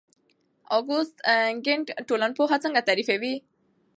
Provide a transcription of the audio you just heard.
اګوست کُنت ټولنپوهنه څنګه تعریفوي؟